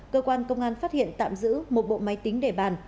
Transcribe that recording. cơ quan công an phát hiện tạm giữ một bộ máy tính để bàn